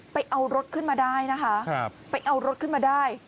ไปเอารถขึ้นมาได้นะคะไปเอารถขึ้นมาได้